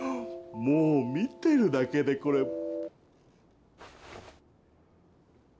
もう見てるだけでこれ。